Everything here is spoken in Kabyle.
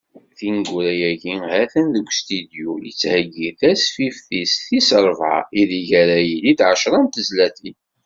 Tineggura-agi, ha-t-an deg ustudyu, yettheggi tasfift-is tis rebɛa, ideg ara ilit ɛecra n tezlatin.